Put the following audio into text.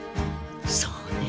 そうね。